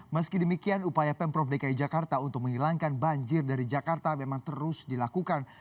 meski demikian upaya pemprov dki jakarta untuk menghilangkan banjir dari jakarta memang terus dilakukan